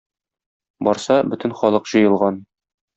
Барса, бөтен халык җыелган.